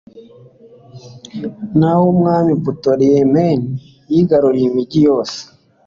naho umwami putolemeyi yigarurira imigi yose